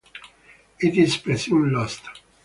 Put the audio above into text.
It is presumed lost.